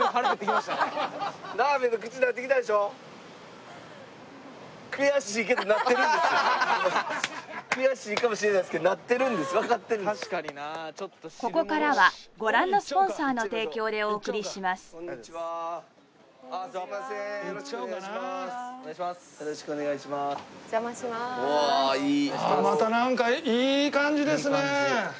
またなんかいい感じですね！